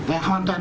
và hoàn toàn